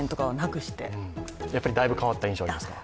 だいぶ変わった印象ありますか。